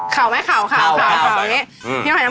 คราวไม่คราวใช่กัน